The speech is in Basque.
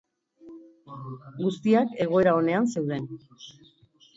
Guztiak egoera onean zeuden.